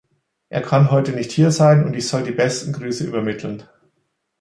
Er kann heute nicht hier sein, und ich soll die besten Grüße übermitteln.